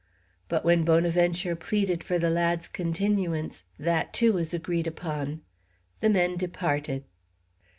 But when Bonaventure pleaded for the lad's continuance, that too was agreed upon. The men departed.